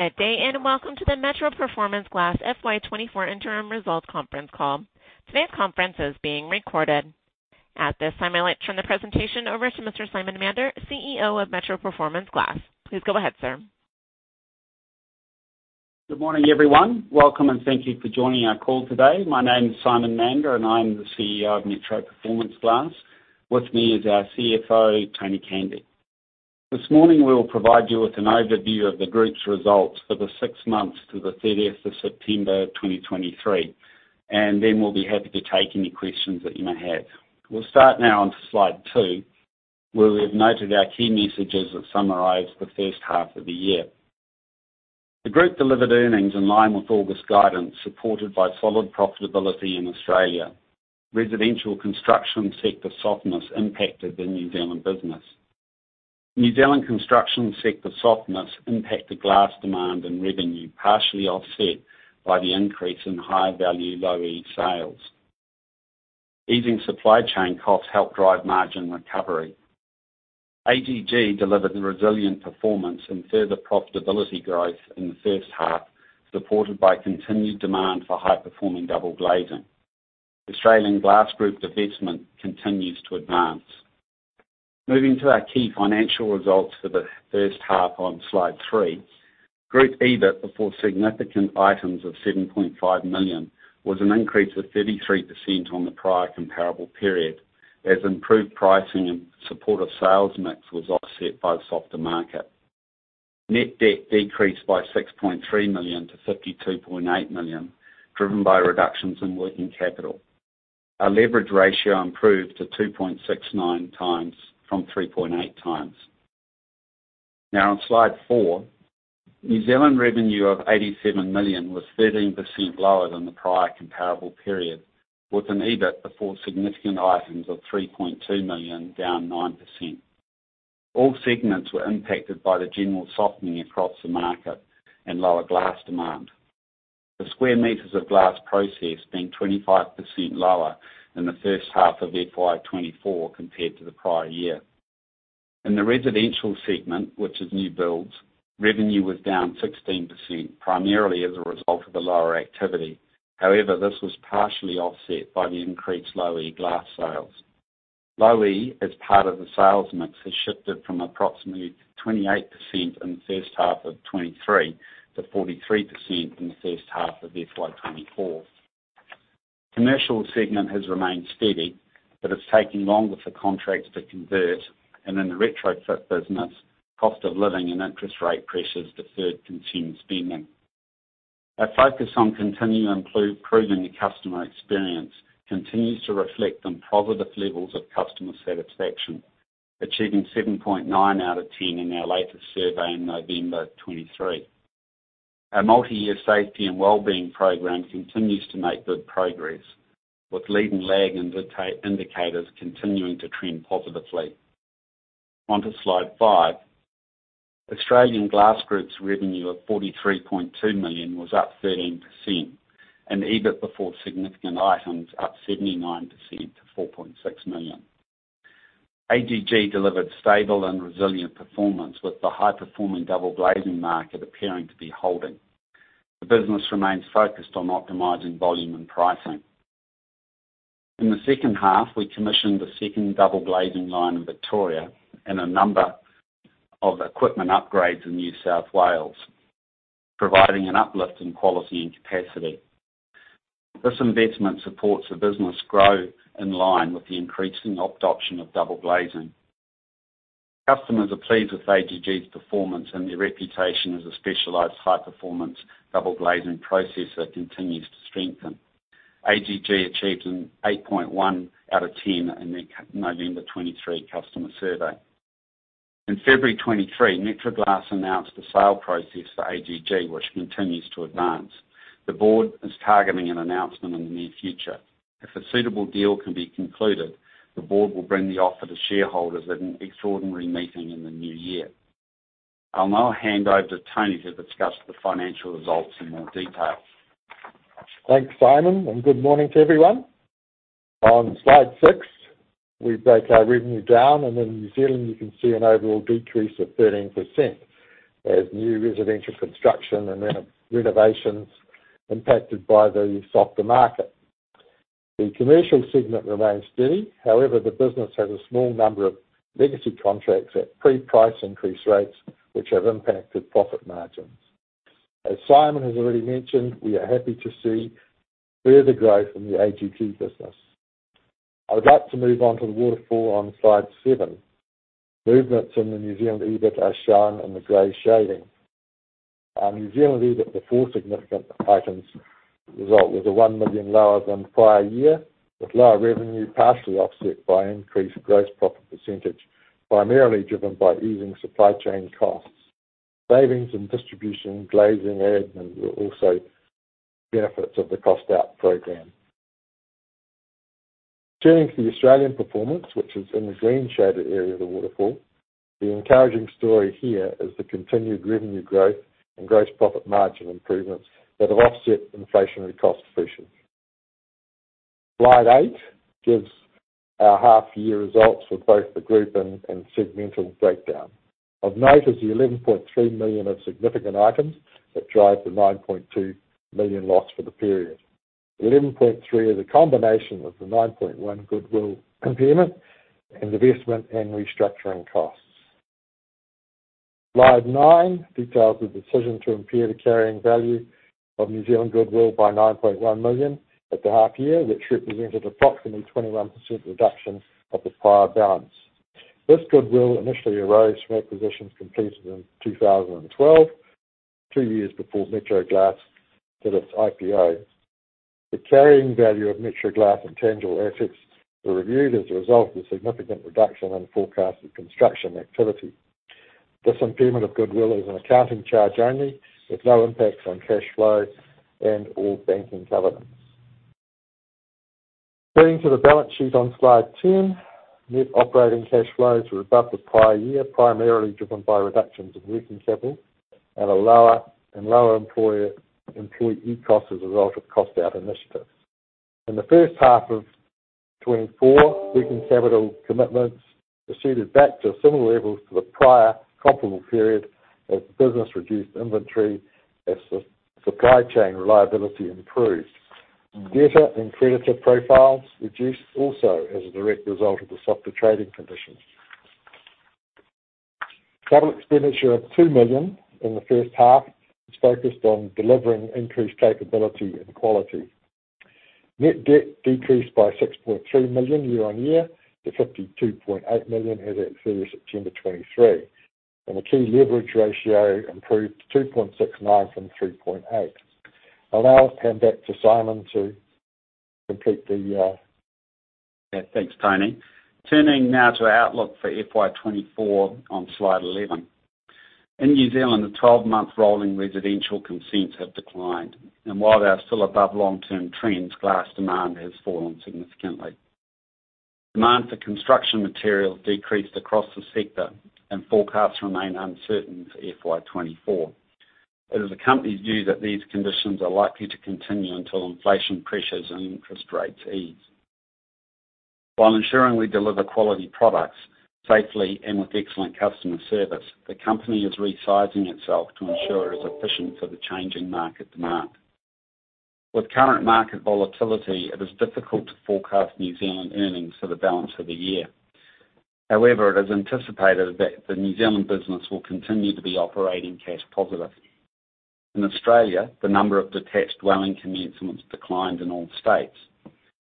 Good day, and welcome to the Metro Performance Glass FY 2024 interim results conference call. Today's conference is being recorded. At this time, I'd like to turn the presentation over to Mr. Simon Mander, CEO of Metro Performance Glass. Please go ahead, sir. Good morning, everyone. Welcome and thank you for joining our call today. My name is Simon Mander, and I'm the CEO of Metro Performance Glass. With me is our CFO, Tony Candy. This morning, we will provide you with an overview of the group's results for the six months to the 30th of September 2023, and then we'll be happy to take any questions that you may have. We'll start now on slide 2, where we've noted our key messages that summarize the first half of the year. The group delivered earnings in line with August guidance, supported by solid profitability in Australia. Residential construction sector softness impacted the New Zealand business. New Zealand construction sector softness impacted glass demand and revenue, partially offset by the increase in high-value, Low-E sales. Easing supply chain costs helped drive margin recovery. AGG delivered a resilient performance and further profitability growth in the first half, supported by continued demand for high-performing double glazing. Australian Glass Group divestment continues to advance. Moving to our key financial results for the first half on slide 3, group EBIT before significant items of 7.5 million was an increase of 33% on the prior comparable period, as improved pricing and supportive sales mix was offset by the softer market. Net debt decreased by 6.3 million to 52.8 million, driven by reductions in working capital. Our leverage ratio improved to 2.69 times from 3.8 times. Now, on slide 4, New Zealand revenue of 87 million was 13% lower than the prior comparable period, with an EBIT before significant items of 3.2 million, down 9%. All segments were impacted by the general softening across the market and lower glass demand. The square meters of glass processed being 25% lower in the first half of FY 2024 compared to the prior year. In the residential segment, which is new builds, revenue was down 16%, primarily as a result of the lower activity. However, this was partially offset by the increased Low-E glass sales. Low-E, as part of the sales mix, has shifted from approximately 28% in the first half of 2023 to 43% in the first half of FY 2024. Commercial segment has remained steady, but it's taking longer for contracts to convert, and in the retrofit business, cost of living and interest rate pressures deferred consumer spending. Our focus on continuing to improve proving the customer experience continues to reflect on positive levels of customer satisfaction, achieving 7.9 out of 10 in our latest survey in November 2023. Our multi-year safety and wellbeing program continues to make good progress, with leading, lagging, and data indicators continuing to trend positively. Onto Slide 5. Australian Glass Group's revenue of 43.2 million was up 13%, and EBIT before significant items up 79% to 4.6 million. AGG delivered stable and resilient performance, with the high-performing double glazing market appearing to be holding. The business remains focused on optimizing volume and pricing. In the second half, we commissioned the second double glazing line in Victoria and a number of equipment upgrades in New South Wales, providing an uplift in quality and capacity. This investment supports the business grow in line with the increasing adoption of double glazing. Customers are pleased with AGG's performance, and their reputation as a specialized high-performance double glazing processor continues to strengthen. AGG achieved an 8.1 out of 10 in their November 2023 customer survey. In February 2023, Metro Performance Glass announced the sale process for AGG, which continues to advance. The board is targeting an announcement in the near future. If a suitable deal can be concluded, the board will bring the offer to shareholders at an extraordinary meeting in the new year. I'll now hand over to Tony to discuss the financial results in more detail. Thanks, Simon, and good morning to everyone. On slide six, we break our revenue down, and in New Zealand, you can see an overall decrease of 13% as new residential construction and renovations impacted by the softer market. The commercial segment remains steady. However, the business has a small number of legacy contracts at pre-price increase rates, which have impacted profit margins. As Simon has already mentioned, we are happy to see further growth in the AGG business. I would like to move on to the waterfall on slide seven. Movements in the New Zealand EBIT are shown in the gray shading. Our New Zealand EBIT before significant items result was 1 million lower than prior year, with lower revenue partially offset by increased gross profit percentage, primarily driven by easing supply chain costs. Savings in distribution, glazing, admin were also benefits of the cost-out program. Turning to the Australian performance, which is in the green shaded area of the waterfall, the encouraging story here is the continued revenue growth and gross profit margin improvements that have offset inflationary cost increases. Slide 8 gives our half year results for both the group and segmental breakdown. Of note is the 11.3 million of significant items that drive the 9.2 million loss for the period. The 11.3 million is a combination of the 9.1 million goodwill impairment and divestment and restructuring costs. Slide 9 details the decision to impair the carrying value of New Zealand goodwill by 9.1 million at the half year, which represented approximately 21% reduction of the prior balance. This goodwill initially arose from acquisitions completed in 2012, two years before Metro Glass did its IPO. The carrying value of Metro Performance Glass intangible assets were reviewed as a result of the significant reduction in forecasted construction activity. This impairment of goodwill is an accounting charge only, with no impact on cash flow and/or banking covenants. Turning to the balance sheet on slide 10, net operating cash flows were above the prior year, primarily driven by reductions in working capital and a lower employer-employee cost as a result of cost out initiatives. In the first half of 2024, working capital commitments receded back to similar levels to the prior comparable period as the business reduced inventory, as supply chain reliability improved. Debtor and creditor profiles reduced also as a direct result of the softer trading conditions. Capital expenditure of 2 million in the first half is focused on delivering increased capability and quality. Net debt decreased by 6.2 million year-on-year, to 52.8 million as at 30 September 2023, and the key leverage ratio improved to 2.69 from 3.8. I'll now hand back to Simon to complete the, Yeah. Thanks, Tony. Turning now to our outlook for FY 2024 on slide 11. In New Zealand, the 12-month rolling residential consents have declined, and while they are still above long-term trends, glass demand has fallen significantly. Demand for construction materials decreased across the sector and forecasts remain uncertain for FY 2024. It is the company's view that these conditions are likely to continue until inflation pressures and interest rates ease. While ensuring we deliver quality products safely and with excellent customer service, the company is resizing itself to ensure it is efficient for the changing market demand. With current market volatility, it is difficult to forecast New Zealand earnings for the balance of the year. However, it is anticipated that the New Zealand business will continue to be operating cash positive. In Australia, the number of detached dwelling commencements declined in all states.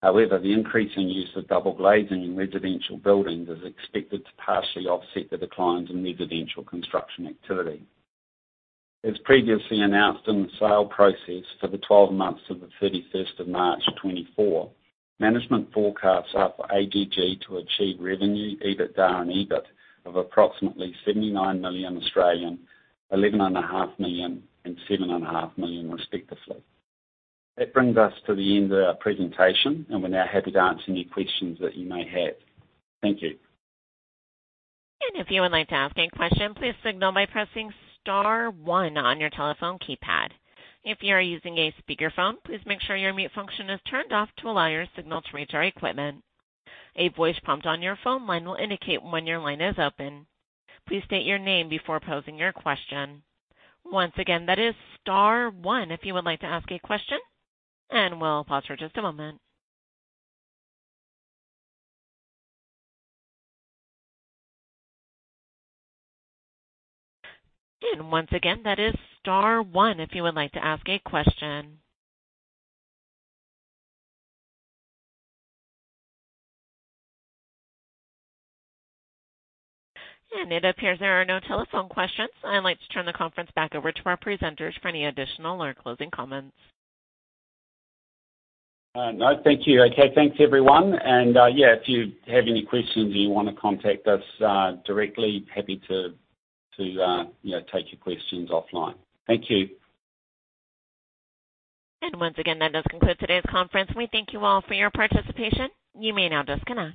However, the increasing use of double glazing in residential buildings is expected to partially offset the declines in residential construction activity. As previously announced in the sale process, for the 12 months to the thirty-first of March 2024, management forecasts are for AGG to achieve revenue, EBITDA and EBIT of approximately 79 million, 11.5 million and 7.5 million, respectively. That brings us to the end of our presentation, and we're now happy to answer any questions that you may have. Thank you. If you would like to ask any question, please signal by pressing star one on your telephone keypad. If you are using a speakerphone, please make sure your mute function is turned off to allow your signal to reach our equipment. A voice prompt on your phone line will indicate when your line is open. Please state your name before posing your question. Once again, that is star one if you would like to ask a question, and we'll pause for just a moment. Once again, that is star one if you would like to ask a question. It appears there are no telephone questions. I'd like to turn the conference back over to our presenters for any additional or closing comments. No, thank you. Okay, thanks, everyone. And yeah, if you have any questions and you want to contact us directly, happy to you know take your questions offline. Thank you. Once again, that does conclude today's conference. We thank you all for your participation. You may now disconnect.